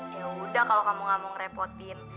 yaudah kalau kamu gak mau ngerepotin